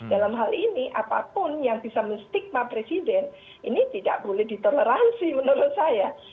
dalam hal ini apapun yang bisa menstigma presiden ini tidak boleh ditoleransi menurut saya